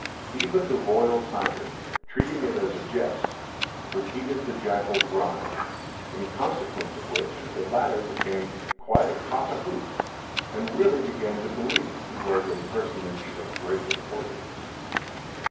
Even the royal tiger, treating it as a jest, repeated the Jackal's rime, in consequence of which the latter became quite a cock a hoop, and really began to believe he was a personage of great importance.